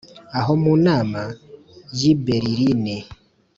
aho mu manama y’i beririni